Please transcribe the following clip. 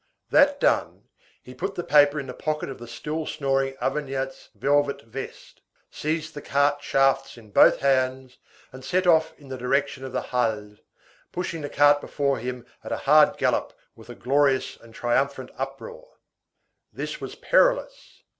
That done, he put the paper in the pocket of the still snoring Auvergnat's velvet vest, seized the cart shafts in both hands, and set off in the direction of the Halles, pushing the cart before him at a hard gallop with a glorious and triumphant uproar. This was perilous.